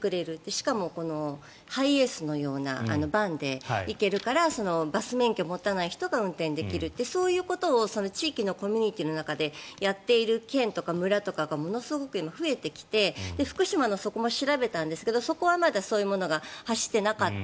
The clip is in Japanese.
しかもハイエースのようなバンで行けるからバス免許を持たない人が運転できるってそういうことを地域のコミュニティーの中でやっている県とか村がものすごく今、増えてきて福島のそこも調べたんですがそこはまだそういうものが走ってなかった。